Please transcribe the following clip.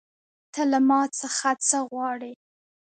ته له ما څخه څه غواړې